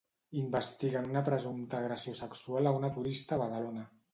Investiguen una presumpta agressió sexual a una turista a Badalona.